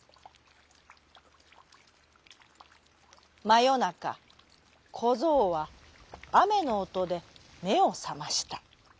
まよなかこぞうはあめのおとでめをさました。